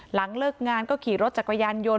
หลังเลิกงานก็ขี่รถจักรยานยนต์